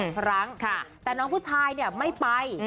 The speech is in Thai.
๒ครั้งแต่น้องผู้ชายไม่ไป